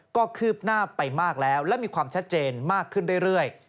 ก็คืบหน้าไปมากแล้วและมีความชัดเจนมากขึ้นเรื่อย